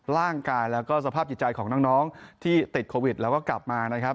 ร่างกายแล้วก็สภาพจิตใจของน้องที่ติดโควิดแล้วก็กลับมานะครับ